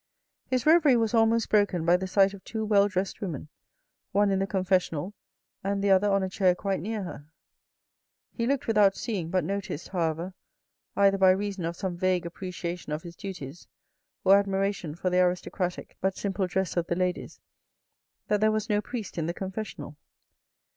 His reverie was almost broken by the sight of two well dressed women, one in the Confessional, and the other on a chair quite near her. He looked without seeing, but noticed, however, either by reason of some vague apprecia tion of his duties or admiration for the aristocratic but simple dress of the ladies, that there was no priest in the Confessional.